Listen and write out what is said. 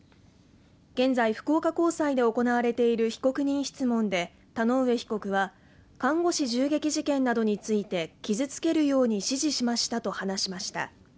現在福岡高裁で行われている被告人質問で田上被告は看護師銃撃事件などについて傷つけるように指示しましたと話しました